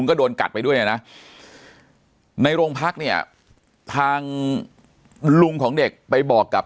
ก็โดนกัดไปด้วยนะในโรงพักเนี่ยทางลุงของเด็กไปบอกกับ